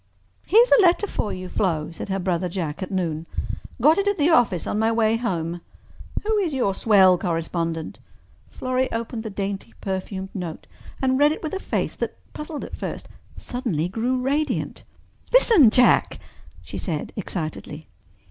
"Here's a letter for you, Flo," said her brother Jack at noon. "Got it at the office on my way home. Who is your swell correspondent?" Florrie opened the dainty, perfumed note and read it with a face that, puzzled at first, suddenly grew radiant. "Listen, Jack," she said excitedly.